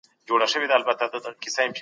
تاسي ولي دونه لږ پيسې لرئ؟